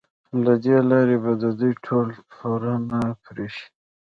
له دې لارې به د دوی ټول پورونه پرې شي.